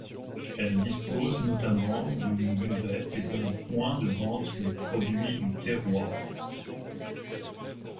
Elle dispose notamment d'une buvette et d'un point de vente des produits du terroir.